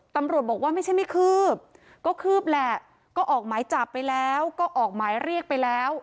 ตำรวจบอกว่าไม่ใช่ไม่คืบก็คืบแหละก็ออกหมายจับไปแล้วก็ออกหมายเรียกไปแล้ว